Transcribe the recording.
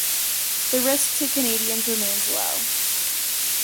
The risk to Canadians remains low.